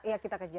ya kita kejar